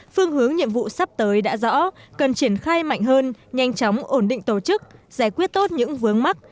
phương hướng nhiệm vụ sắp tới đã rõ cần triển khai mạnh hơn nhanh chóng ổn định tổ chức giải quyết tốt những vướng mắt